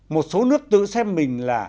một số nước tự xem mình là